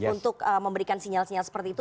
untuk memberikan sinyal sinyal seperti itu